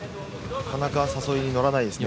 なかなか誘いに乗らないですね。